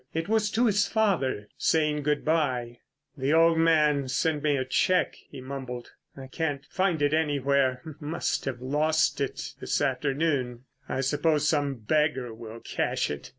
It was to his father—saying good bye. "The old man sent me a cheque," he mumbled. "I can't find it anywhere. Must have lost it this afternoon. I suppose some beggar will cash it.